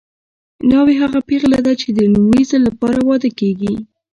ناوې هغه پېغله ده چې د لومړي ځل لپاره واده کیږي